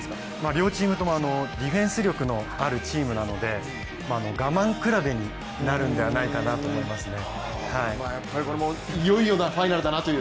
両チームともディフェンス力のあるチームなので我慢比べになるんではないかなと思いますね。